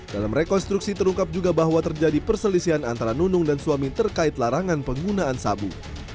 dalam rekonstruksi terungkap juga bahwa terjadi perselisihan antara nunung dan suami terkait larangan penggunaan sabu